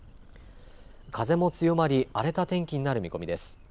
風も強まり荒れた天気になる見込みです。